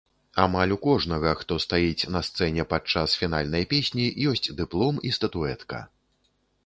Амаль у кожнага, хто стаіць на сцэне падчас фінальнай песні, ёсць дыплом і статуэтка.